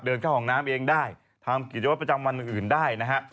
เข้าห้องน้ำเองได้ทำกิจวัตรประจำวันอื่นได้นะฮะ